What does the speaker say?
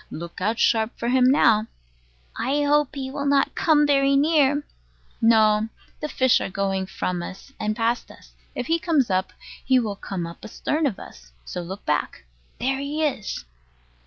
Look out sharp for him now. I hope he will not come very near. No. The fish are going from us and past us. If he comes up, he will come up astern of us, so look back. There he is!